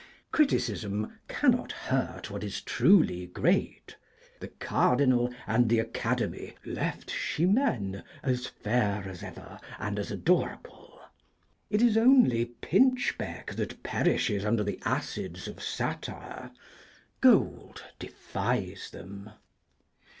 Criticism cannot hurt what is truly great; the Cardinal and the Academy left Chiméne as fair as ever, and as adorable. It is only pinchbeck that perishes under the acids of satire: gold defies them.